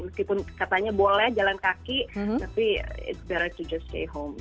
meskipun katanya boleh jalan kaki tapi it's better to just stay home